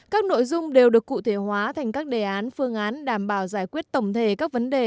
các nội dung đều được cụ thể hóa thành các đề án phương án đảm bảo giải quyết tổng thể các vấn đề